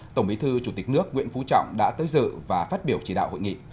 tổng bí thư chủ tịch nước nguyễn phú trọng đã tới dự và phát biểu chỉ đạo hội nghị